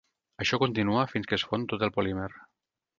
Això continua fins que es fon tot el polímer.